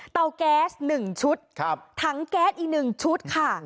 เตาแก๊ส๑ชุดถังแก๊สอีก๑ชุดค่ะ